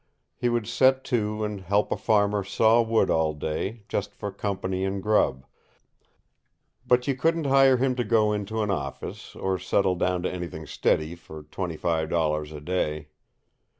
He would set to and help a farmer saw wood all day, just for company and grub; but you couldn't hire him to go into an office, or settle down to anything steady, for twenty five dollars a day.